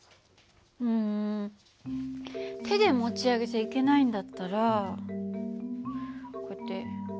うん手で持ち上げちゃいけないんだったらこうやって横に動かしてみるとか。